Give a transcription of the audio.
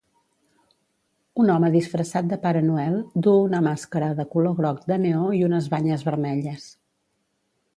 Un home disfressat de Pare Noel duu una màscara de color groc de neó i unes banyes vermelles.